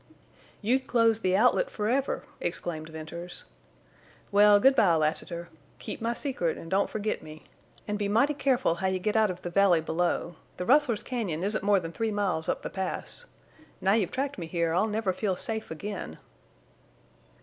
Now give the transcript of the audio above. "You'd close the outlet forever!" exclaimed Venters. "Well, good by, Lassiter. Keep my secret and don't forget me. And be mighty careful how you get out of the valley below. The rustlers' cañon isn't more than three miles up the Pass. Now you've tracked me here, I'll never feel safe again."